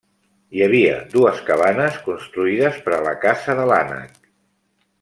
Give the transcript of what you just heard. Hi havia dues cabanes construïdes per a la caça de l'ànec.